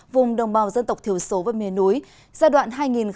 vùng đồng bào dân tộc thiểu số và miền núi giai đoạn hai nghìn hai mươi một hai nghìn ba mươi